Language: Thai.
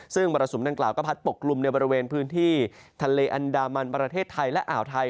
ซึ่งมรสุมดังกล่าวก็พัดปกกลุ่มในบริเวณพื้นที่ทะเลอันดามันประเทศไทยและอ่าวไทย